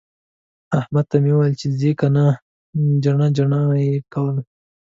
احمد ته مې وويل چې ځې که نه؟ جڼه جڼه يې کول.